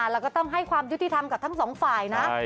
แล้วก็ต้องให้ความยุติธรรมกับทั้งสองฝ่ายนะ